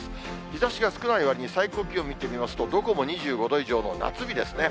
日ざしが少ないわりに、最高気温見てみますと、どこも２５度以上の夏日ですね。